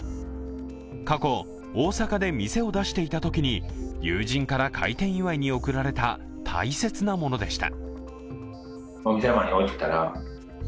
過去、大阪で店を出していたときに友人から開店祝いに贈られた大切なものでした。